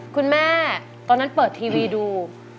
คุณแม่ตอนนั้นเปิดทีวีดู